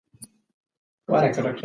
غږ نه د ننه و او نه بهر و.